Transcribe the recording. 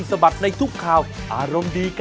สวัสดีค่ะ